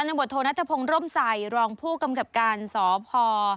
คัณฑัตโธนัตถนะโพงโรมไซรรองผู้กำกัดการศพ